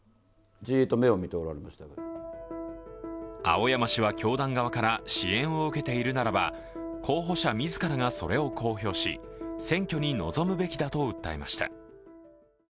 青山氏は教団側から支援を受けているならば、候補者自らがそれを公表し選挙に臨むべきだと訴えました。